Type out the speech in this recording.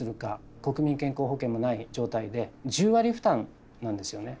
国民健康保険もない状態で１０割負担なんですよね。